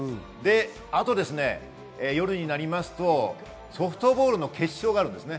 あと夜になりますと、ソフトボールの決勝があります。